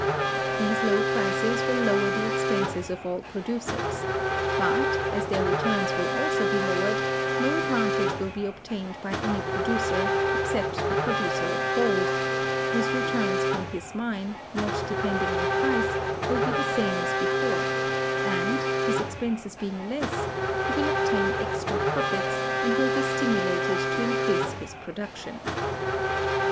These low prices will lower the expenses of all producers; but, as their returns will also be lowered, no advantage will be obtained by any producer, except the producer of gold; whose returns from his mine, not depending on price, will be the same as before, and, his expenses being less, he will obtain extra profits, and will be stimulated to increase his production.